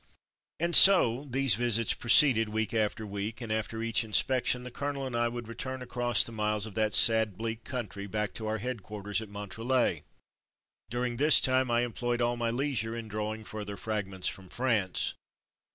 And so these visits proceeded, week after week, and after each inspection the colonel and I would return across the miles of that sad, bleak country, back to our head quarters at Montrelet. During this time I employed all my leisure in drawing further '^ Fragments from France.